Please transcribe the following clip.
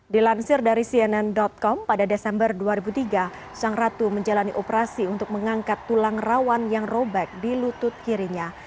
dilansir dari cnn com pada desember dua ribu tiga sang ratu menjalani operasi untuk mengangkat tulang rawan yang robek di lutut kirinya